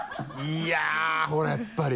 いやっほらやっぱり。